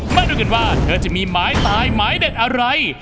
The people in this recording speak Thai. มาดูกันว่าเธอจะมีหมายตายหมายเด็ดอะไร